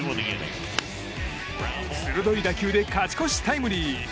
鋭い打球で勝ち越しタイムリー。